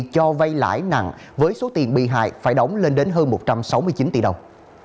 cho vay lãi nặng với số tiền bị hại phải đóng lên đến hơn một trăm sáu mươi chín tỷ đồng